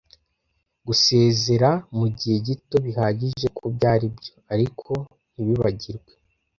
Gusezera mugihe gito bihagije kubyo aribyo, ariko ntibibagirwe,